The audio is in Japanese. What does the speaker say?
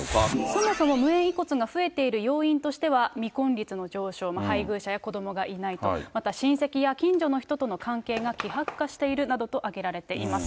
そもそも無縁遺骨が増えている要因としては、未婚率の上昇、配偶者や子どもがいないと、また親戚や近所の人との関係が希薄化しているなどと挙げられています。